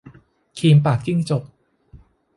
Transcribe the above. คีมปากจิ้งจก